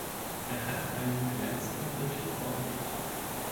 Er hat einen glänzenden Bericht vorgelegt.